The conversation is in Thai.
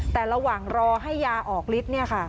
แต่ระหว่างรอให้ยาออกฤทธิ์เนี่ยค่ะ